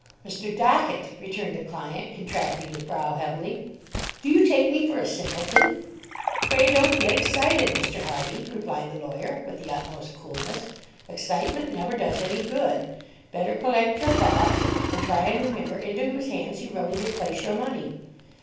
"Mr. Dockett," returned the client, contracting his brow heavily, "Do you take me for a simpleton?" "Pray don't get excited, Mr. Hardy," replied the lawyer, with the utmost coolness. "Excitement never does any good. Better collect your thoughts, and try and remember into whose hands you really did place your money.